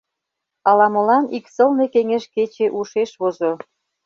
Ала-молан ик сылне кеҥеж кече ушеш возо.